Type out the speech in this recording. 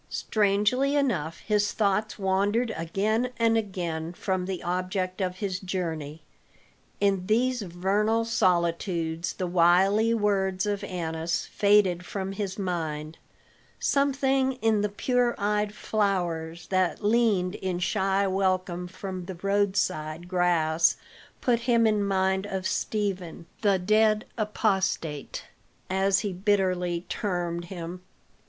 Strangely enough his thoughts wandered again and again from the object of his journey; in these vernal solitudes the wily words of Annas faded from his mind. Something in the pure eyed flowers that leaned in shy welcome from the roadside grass put him in mind of Stephen, the dead apostate, as he bitterly termed him.